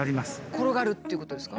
転がるっていうことですか。